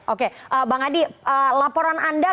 oke bang adi laporan anda